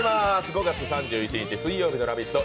５月３１日水曜日の「ラヴィット！」